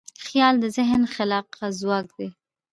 خیال د ذهن خلاقه ځواک دی.